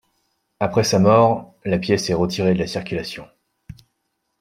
Après sa mort, la pièce est retirée de la circulation.